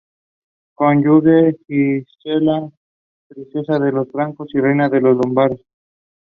Excerpts from "U" have appeared in Flash Art and "Mousse".